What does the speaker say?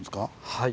はい。